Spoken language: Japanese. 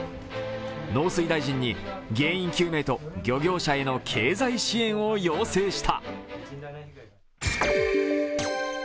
農水大臣に原因究明と漁業者への経済支援を要請した。